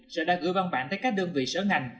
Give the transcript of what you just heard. sở đã gửi văn bản tới các đơn vị sở ngành